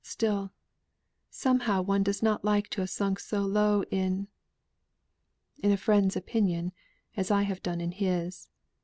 Still, somehow one does not like to have sunk so low in in a friend's opinion as I have done in his."